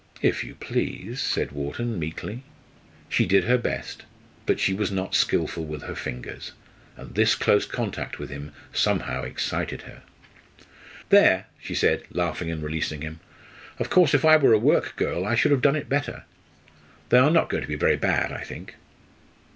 "If you please," said Wharton, meekly. She did her best, but she was not skilful with her fingers, and this close contact with him somehow excited her. "There," she said, laughing and releasing him. "Of course, if I were a work girl I should have done it better. They are not going to be very bad, I think."